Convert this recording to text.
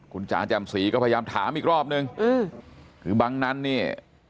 คุณจำสีก็พยายามถามอีกรอบหนึ่งอืมคือบางนั้นนี่